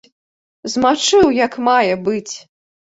Змачыў як мае быць.